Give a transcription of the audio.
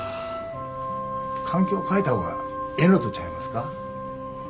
環境変えた方がええのとちゃいますか？